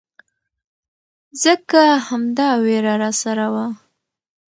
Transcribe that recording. ځکه همدا ويره راسره وه.